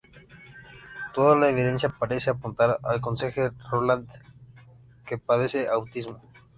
Toda la evidencia parece apuntar al conserje Roland, que padece autismo.